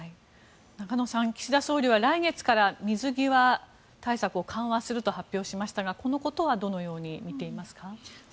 中野さん、岸田総理は来月から水際対策を緩和すると発表しましたがこのことはどのように見ていますか？